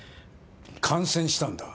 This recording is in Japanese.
感染したんだ。